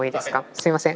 すいません。